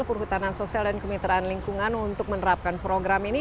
perhutanan sosial dan kemitraan lingkungan untuk menerapkan program ini